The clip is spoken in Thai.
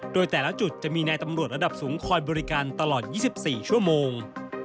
โดยแต่ละจุดจะมีนายตำรวจระดับสูงคอยบริการตลอด๒๔ชั่วโมง